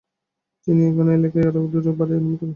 তিনি একই এলাকায় একইরকম আরো দুটি বাড়ি নির্মাণ করেন।